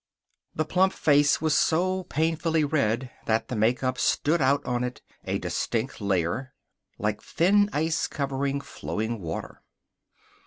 The plump face went so painfully red that the make up stood out on it, a distinct layer, like thin ice covering flowing water.